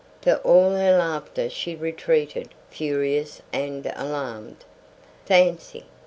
For all her laughter she retreated, furious and alarmed. "Fancy!